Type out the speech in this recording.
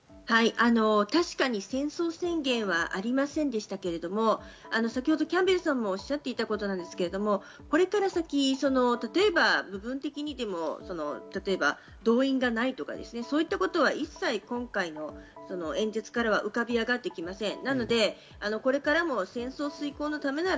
確かに戦争宣言はありませんでしたけれども、キャンベルさんもおっしゃっていたことですが、これから先、例えば部分的にでも動員がないとか、そういったことは一切、今回の演説からは浮かび上がってきません。